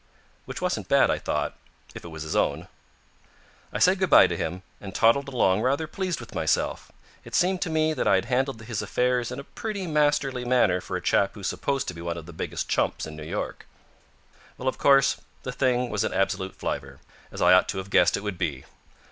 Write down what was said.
Which wasn't bad, I thought, if it was his own. I said good by to him, and toddled along rather pleased with myself. It seemed to me that I had handled his affairs in a pretty masterly manner for a chap who's supposed to be one of the biggest chumps in New York. Well, of course, the thing was an absolute fliver, as I ought to have guessed it would be.